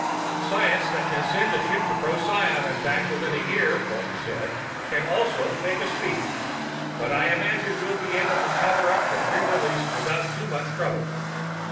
"The science that can send a ship to Procyon and back within a year," Walton said, "can also fake a speech. But I imagine we'll be able to cover up the pre release without too much trouble."